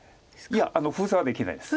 いや封鎖はできないです。